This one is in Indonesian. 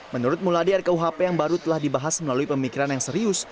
menurut muladi rkuhp yang baru telah dibahas melalui pemikiran yang serius